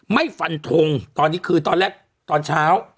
ไม่ฟันทงตอนนี้คือตอนแรกตอนเช้า